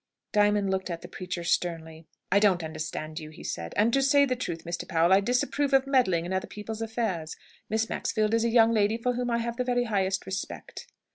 Diamond looked at the preacher sternly. "I don't understand you," he said. "And to say the truth, Mr. Powell, I disapprove of meddling in other people's affairs. Miss Maxfield is a young lady for whom I have the very highest respect."